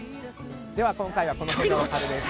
では今回はこの辺でお別れです。